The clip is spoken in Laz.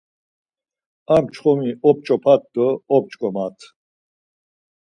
Ar çxomi op̌ç̌opat do op̌ç̌ǩomat!